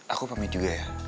aku pamit juga ya